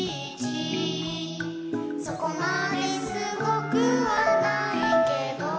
「そこまですごくはないけど」